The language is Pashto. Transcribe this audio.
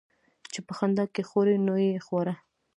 چي په خندا کې خورې ، نو يې خوره.